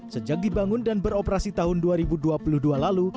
sejak dibangun dan beroperasi tahun dua ribu dua puluh dua lalu